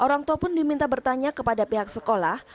orang tua pun diminta bertanya kepada pihak sekolah